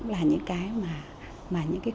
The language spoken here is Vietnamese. là những cái mà những cái